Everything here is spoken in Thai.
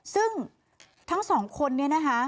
ซึ่งทั้งสองคนนี้นะคะ